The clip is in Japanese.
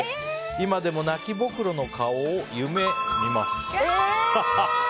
今でも泣きぼくろの顔を夢見ます。